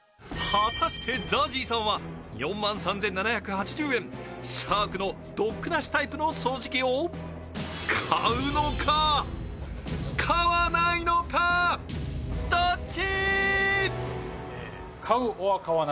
果たしてＺＡＺＹさんは４万３７８０円、シャークのドックなしタイプの掃除機を買うのか、買わないのか、どっち？